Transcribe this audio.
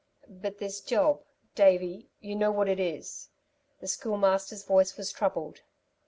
"But this job, Davey, you know what it is." The Schoolmaster's voice was troubled.